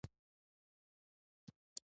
دې سندره ته له خندا شنه شوه.